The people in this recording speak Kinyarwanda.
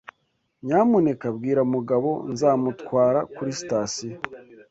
Nyamuneka bwira Mugabo nzamutwara kuri sitasiyo.